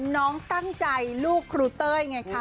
น้องตั้งใจลูกครูเต้ยไงคะ